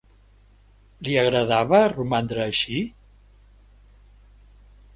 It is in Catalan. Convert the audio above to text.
Li agradava romandre així?